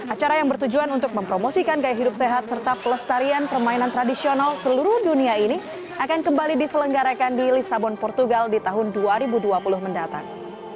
acara yang bertujuan untuk mempromosikan gaya hidup sehat serta pelestarian permainan tradisional seluruh dunia ini akan kembali diselenggarakan di lisabon portugal di tahun dua ribu dua puluh mendatang